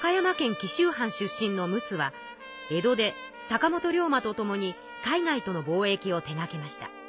紀州藩出身の陸奥は江戸で坂本龍馬と共に海外との貿易を手がけました。